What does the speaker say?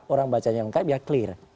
orang baca yang lengkap ya clear